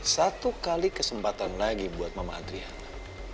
satu kali kesempatan lagi buat mama adriana